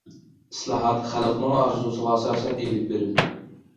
ئىسلاھات خەلقنىڭ ئارزۇسىغا ئاساسەن ئېلىپ بېرىلدى.